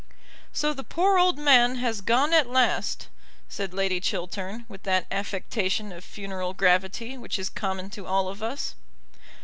"So the poor old man has gone at last," said Lady Chiltern, with that affectation of funereal gravity which is common to all of us.